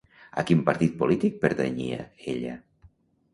A quin partit polític pertanyia, ella?